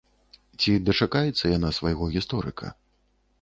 Ці дачакаецца яна свайго гісторыка?